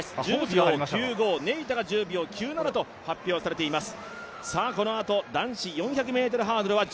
１０秒１５、ネイタが１０秒９７と発表されています。